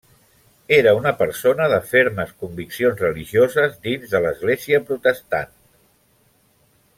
Era una persona de fermes conviccions religioses dins de l'església protestant.